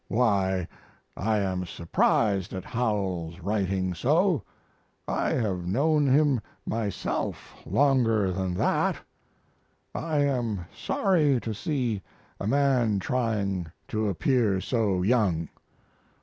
Why, I am surprised at Howells writing so. I have known him myself longer than that. I am sorry to see a man trying to appear so young.